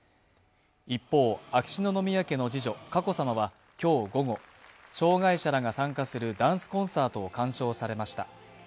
一方、秋篠宮家の次女佳子さまは今日午後、障害者らが参加するダンスコンサートを鑑賞されました。